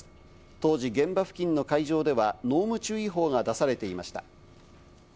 当時、現場付近の海上では濃霧注意報が出されていました。